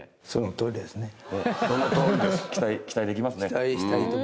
そうですね。